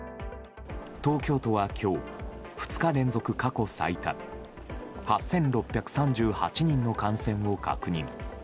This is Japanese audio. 東京都は今日、２日連続過去最多８６３８人の感染を確認。